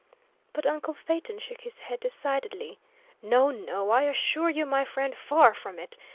But uncle Phaeton shook his head, decidedly. "No, no, I assure you, my friend; far from it.